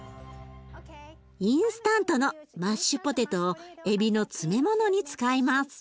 インスタントのマッシュポテトをエビの詰め物に使います。